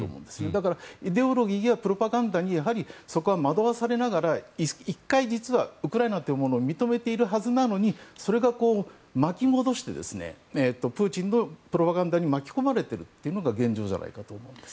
だからイデオロギーやプロパガンダにやはりそこは惑わされながら１回、実はウクライナというものを認めているはずなのにそれを巻き戻してプーチンのプロパガンダに巻き込まれているのが現状じゃないかと思うんです。